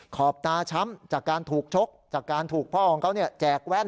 ขอบตาช้ำจากการถูกชกจากการถูกพ่อของเขาแจกแว่น